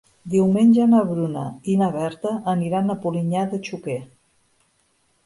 Diumenge na Bruna i na Berta aniran a Polinyà de Xúquer.